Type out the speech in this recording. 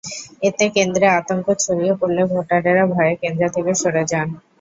এতে কেন্দ্রে আতঙ্ক ছড়িয়ে পড়লে ভোটারেরা ভয়ে কেন্দ্র থেকে সরে যান।